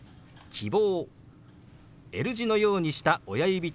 「希望」。